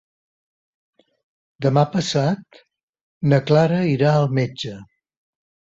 Demà passat na Clara irà al metge.